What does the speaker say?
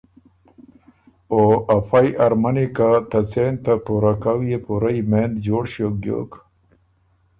او افئ ارمنی که ته څېن ته پُوره کؤ يې پُورۀ یمېںد جوړ ݭیوک بیوک